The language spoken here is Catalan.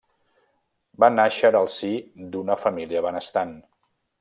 Va nàixer al si d'una família benestant.